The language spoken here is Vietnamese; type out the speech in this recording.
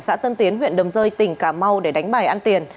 xã tân tiến huyện đầm rơi tỉnh cà mau để đánh bài ăn tiền